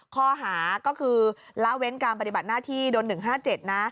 ข้อหาก็คือละเว้นการปฏิบัติหน้าที่โดน๑๕๗นะ